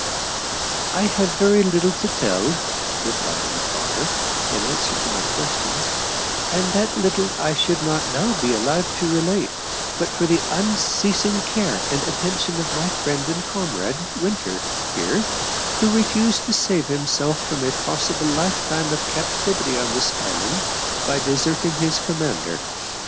"I have very little to tell," replied my father, in answer to my questions; "and that little I should not now be alive to relate, but for the unceasing care and attention of my friend and comrade, Winter, here, who refused to save himself from a possible lifetime of captivity on this island by deserting his commander.